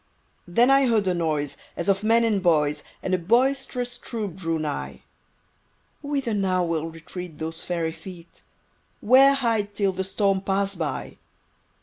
Then I heard a noise, as of men and boys, And a boisterous troop drew nigh. Whither now will retreat those fairy feet? Where hide till the storm pass by?